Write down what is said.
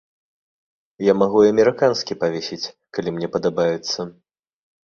Я магу і амерыканскі павесіць, калі мне падабаецца.